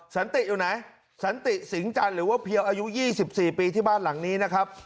สันติอยู่ไหนสันติสิงจันทร์หรือว่าเพียวอายุ๒๔ปีที่บ้านหลังนี้นะครับ